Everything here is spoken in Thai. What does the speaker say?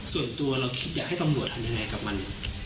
ส่วนตัวเราคิดอยากให้ตำรวจทำยังไงกับมัน